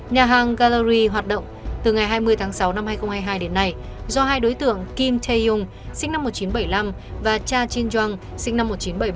nhà hàng gallery hoạt động từ ngày hai mươi sáu hai nghìn hai mươi hai đến nay do hai đối tượng kim tae yong sinh năm một nghìn chín trăm bảy mươi năm và cha chin jong sinh năm một nghìn chín trăm bảy mươi bảy